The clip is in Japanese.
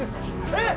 えっ？